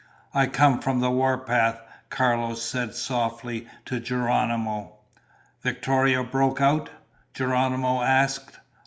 "I come from the warpath," Carlos said softly to Geronimo. "Victorio broke out?" Geronimo asked.